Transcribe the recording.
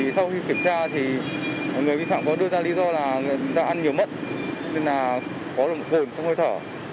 sau khi kiểm tra thì người vi phạm có đưa ra lý do là người ta ăn nhiều mận nên là có nồng độ cồn trong hơi thở